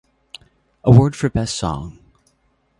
Award for Best Song.